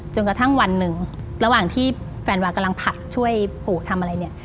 จนกระทั่งวันหนึ่งระหว่างที่แฟนวากำลังผัดช่วยปู่ทำอะไรเนี่ย